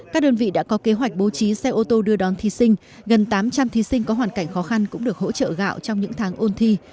các đơn vị đã có kế hoạch bố trí xe ô tô đưa đón thí sinh gần tám trăm linh thí sinh có hoàn cảnh khó khăn cũng được hỗ trợ gạo trong những tháng ôn thi